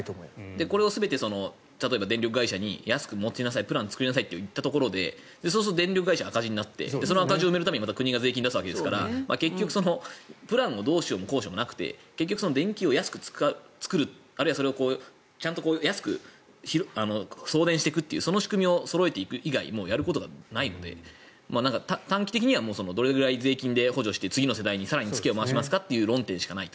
これを全て電力会社に持ちなさいプランを作りなさいと言っても電力会社が赤字になってその赤字を埋めるためにまた国が税金を出すわけですから結局、プランをどうしようもこうしようもなくて電気を安く作るあるいは、それをちゃんと安く送電していくという仕組みをそろえていく以外やることがないので短期的にはどれくらい税金で補助して次の世代に付けを回すかということの論点しかないと。